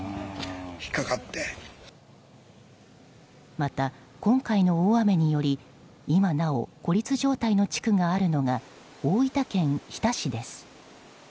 また、今回の大雨により今なお孤立状態の地区があるのが大分県日田市です。